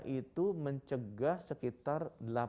itu mencegah sekitar